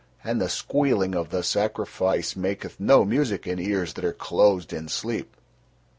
And the squealing of the sacrifice maketh no music in ears that are closed in sleep."